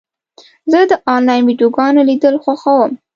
زه د انلاین ویډیوګانو لیدل خوښوم.